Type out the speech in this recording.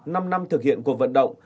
năm năm thực hiện cuộc vận động